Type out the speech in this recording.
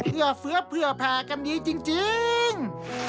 เอื้อเฟื้อเพื่อผ่ากันดีจริง